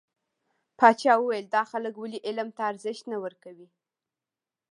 پاچا وويل: دا خلک ولې علم ته ارزښت نه ورکوي .